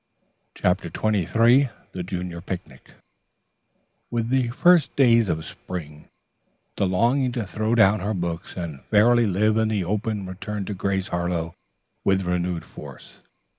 CHAPTER XXIII THE JUNIOR PICNIC With the first days of spring, the longing to throw down her books and fairly live in the open returned to Grace Harlowe with renewed force.